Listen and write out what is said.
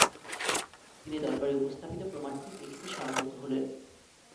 তিনি দরবারে উপস্থাপিত প্রমাণটি দেখতে সম্মত হলেন।